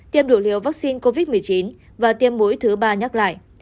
tiêm đủ liều vaccine covid một mươi chín và tiêm mũi thứ ba nhắc lại